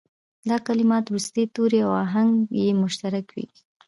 دا کلمات وروستي توري او آهنګ یې مشترک وي.